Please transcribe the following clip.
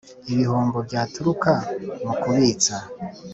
ibihombo byaturuka mu kubitsa